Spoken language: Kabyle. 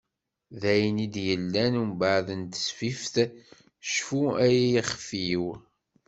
D ayen i d-yellan umbaɛd s tesfift "Cfu ay ixef-iw".